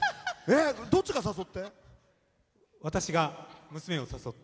どっちが誘って？